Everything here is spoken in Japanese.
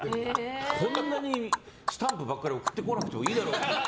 こんなにスタンプばっかり送ってこなくてもいいだろうって。